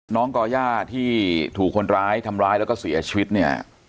ก่อย่าที่ถูกคนร้ายทำร้ายแล้วก็เสียชีวิตเนี่ย